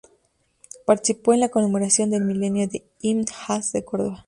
Participó en la conmemoración del Milenario de Ibn Hazm de Córdoba.